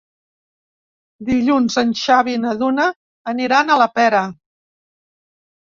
Dilluns en Xavi i na Duna aniran a la Pera.